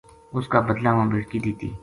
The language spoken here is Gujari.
اس کا بدلہ ما بیٹکی دِتی